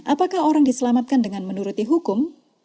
apakah orang diselamatkan dengan menuruti hukum